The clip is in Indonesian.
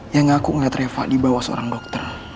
yang ngaku ngeliat reva dibawa seorang dokter